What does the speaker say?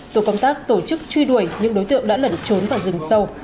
tổ công tác tổ chức truy đuổi những đối tượng đã lẩn trốn vào rừng sâu